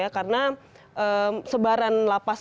karena sebaran lapas